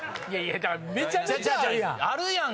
めちゃめちゃあるやん。